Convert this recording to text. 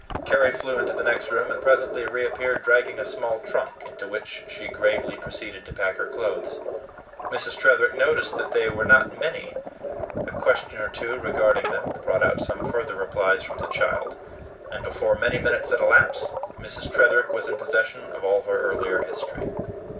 Carry flew into the next room, and presently reappeared dragging a small trunk, into which she gravely proceeded to pack her clothes. Mrs. Tretherick noticed that they were not many. A question or two regarding them brought out some further replies from the child; and before many minutes had elapsed, Mrs. Tretherick was in possession of all her earlier history.